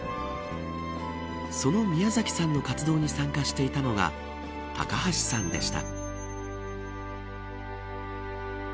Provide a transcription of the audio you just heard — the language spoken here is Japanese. その宮崎さんの活動に参加していたのが高橋さんでした。